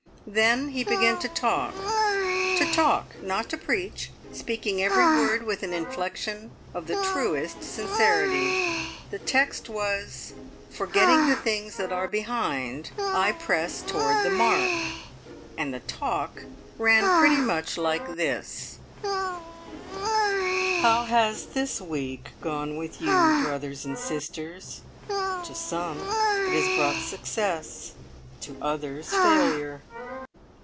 Then he began to talk to talk, not to preach, speaking every word with an inflection of the truest sincerity. The text was "Forgetting the things that are behind, I press towards the mark," and the "talk" ran pretty much like this: "How has this week gone with you, Brothers and Sisters? To some it has brought success, to others failure.